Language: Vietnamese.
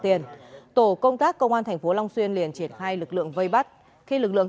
tiền tổ công tác công an thành phố long xuyên liền triển khai lực lượng vây bắt khi lực lượng